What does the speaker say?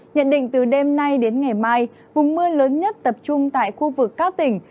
nhận định từ đêm nay đến ngày mai vùng mưa lớn nhất tập trung tại khu vực các tỉnh